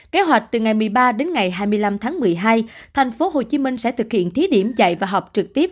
kế hoạch từ ngày một mươi ba đến ngày hai mươi năm tháng một mươi hai tp hcm sẽ thực hiện thí điểm dạy và học trực tiếp